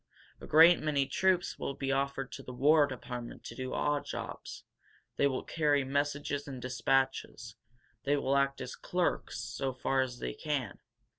A great many troops will be offered to the War Department to do odd jobs. They will carry messages and dispatches. They will act as clerks, so far as they can.